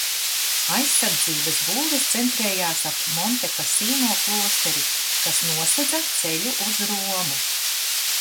Aizsardzības būves centrējās ap Montekasīno klosteri, kas nosedza ceļu uz Romu.